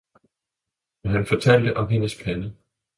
og han fortalte om hendes pande.